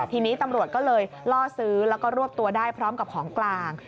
ทีนี้ตำรวจก็เลยล่อซื้อแล้วก็รวบตัวได้พร้อมกับของกลาง